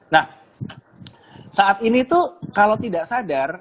nah saat ini tuh kalau tidak sadar